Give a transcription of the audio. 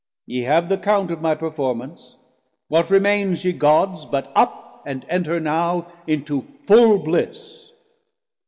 Ye have th' account Of my performance: What remaines, ye Gods, But up and enter now into full bliss.